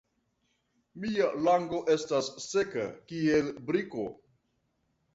Mia lango estas seka kiel briko.